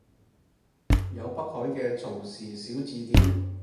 有北海嘅曹氏小字典